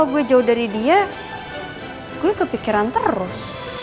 gue jauh dari dia gue kepikiran terus